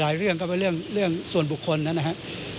เรื่องก็เป็นเรื่องส่วนบุคคลนะครับ